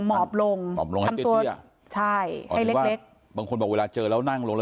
หมอบลงใช่ให้เล็กบางคนบอกเวลาเจ้าแล้วนั่งลง